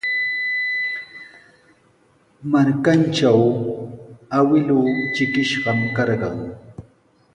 Markantraw awkilluu trikishqami karqan.